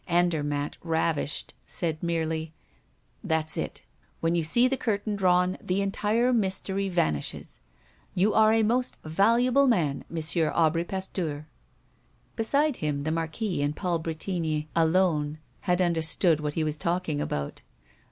Andermatt, ravished, said merely: "That's it! When you see the curtain drawn, the entire mystery vanishes. You are a most valuable man, M. Aubry Pasteur." Besides him, the Marquis and Paul Bretigny alone had understood what he was talking about.